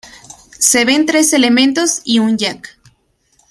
Se ven tres elementos y un jack.